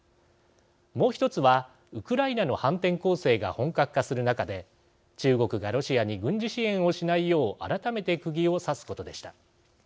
もう一つはウクライナの反転攻勢が本格化する中で中国がロシアに軍事支援をしないよう改めてくぎを刺すことでした。